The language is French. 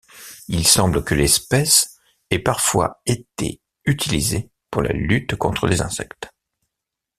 Il semble que l'espèce est parfois été utilisée pour la lutte contre les insectes.